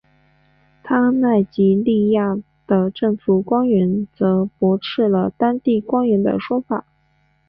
但奈及利亚的政府官员则驳斥了当地官员的说法。